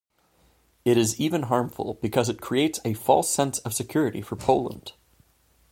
It is even harmful because it creates a false sense of security for Poland.